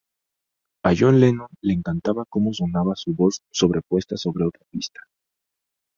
A John Lennon le encantaba como sonaba su voz sobrepuesta sobre otra pista.